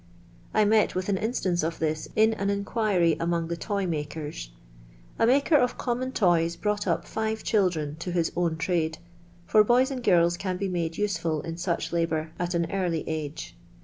I met with an instance of this in an inquiry among the toy makers. A maker of common toys brought up five children to his own trade, for boys and girls can be made useful in such labour at an early age.